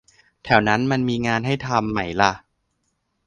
แถวนั้นมันมีงานให้ทำไหมล่ะ